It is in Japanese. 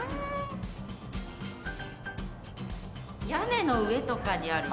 屋根の上とかにある。